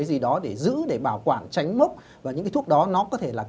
cái gì đó để giữ để bảo quản tránh mốc